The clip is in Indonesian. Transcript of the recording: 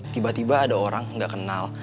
tiba tiba ada orang nggak kenal